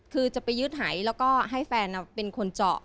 คือจะไปยึดหายแล้วก็ให้แฟนเป็นคนเจาะ